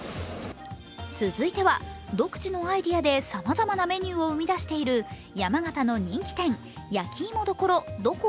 続いては独自のアイデアでさまざまなメニューを生み出している山形の人気店やきいも処ＤｏＣｏ？